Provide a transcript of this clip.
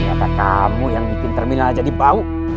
kata kamu yang bikin terminal jadi bau